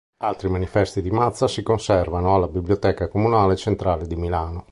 Altri manifesti di Mazza si conservano alla Biblioteca comunale centrale di Milano.